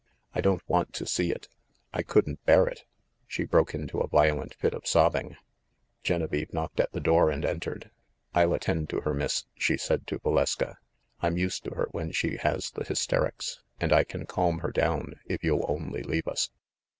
I don't want to see it! I couldn't bear it!'3 She broke into a violent fit of sobbing. Genevieve knocked at the door and entered. "I'll attend to her, miss/' she said to Valeska. "I'm used to her when she has the hysterics, and I can calm her down if you'll only leave us."